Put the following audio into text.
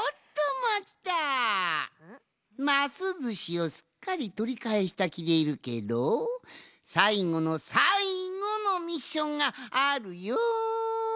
ますずしをすっかりとりかえしたきでいるけどさいごのさいごのミッションがあるよん。